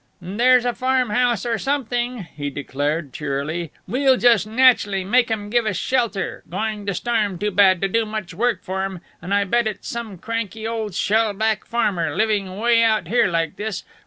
"There's a farm house or something," he declared, cheerily. "We'll just nach'ly make 'em give us shelter. Going to storm too bad to do much work for 'em, and I bet it's some cranky old shellback farmer, living 'way out here like this.